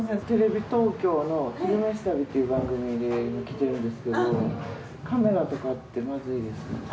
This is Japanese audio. テレビ東京の「昼めし旅」という番組で来てるんですけどカメラとかってまずいですか？